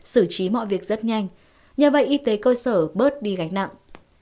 xử trí mọi việc rất nhanh nhờ vậy y tế cơ sở bớt đi gánh nặng